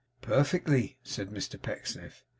'Perfectly,' said Mr Pecksniff.